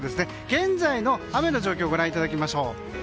現在の雨の状況をご覧いただきましょう。